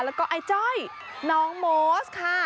แล้วก็ไอ้จ้อยน้องโมสค่ะ